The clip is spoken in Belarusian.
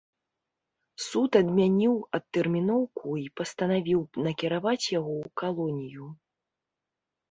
Суд адмяніў адтэрміноўку і пастанавіў накіраваць яго ў калонію.